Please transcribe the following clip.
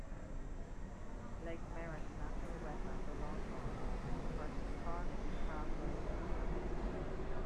Lake Merritt's natural wetlands are long gone-converted to parks, pathways and roads.